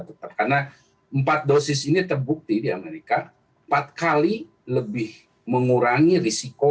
karena empat dosis ini terbukti di amerika empat kali lebih mengurangi risiko